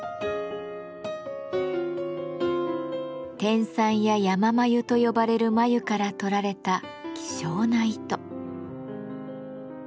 天蚕や山繭と呼ばれる繭からとられた希少な糸。